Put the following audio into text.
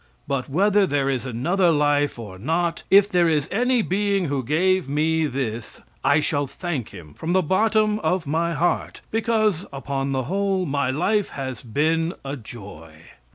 But whether there is another life or not, if there is any being who gave me this, I shall thank him from the bottom of my heart, because, upon the whole, my life has been a joy.